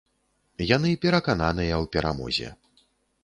Яны перакананыя ў перамозе.